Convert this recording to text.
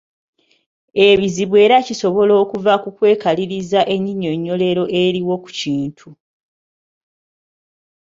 Ebizibu era kisobola okuva mu kwekaliriza ennyinnyonnyolero eriwo ku kintu.